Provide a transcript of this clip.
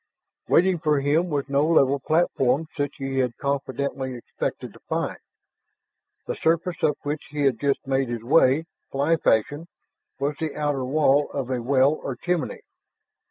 Waiting for him was no level platform such as he had confidently expected to find. The surface up which he had just made his way fly fashion was the outer wall of a well or chimney.